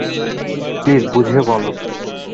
Please বুঝিয়ে বলো।